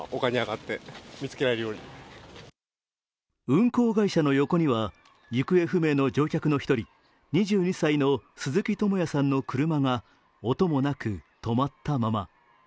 運航会社の横には行方不明の乗客の１人、２２歳の鈴木智也さんの車が音もなく止まったまま。